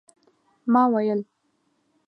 ما ویل